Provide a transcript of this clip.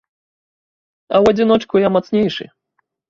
А ў адзіночку я мацнейшы.